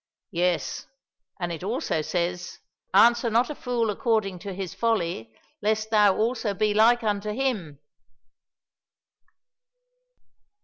"Yes, and it also says, 'Answer not a fool according to his folly, lest thou also be like unto him.'"